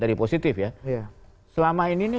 dari positif ya selama ini ini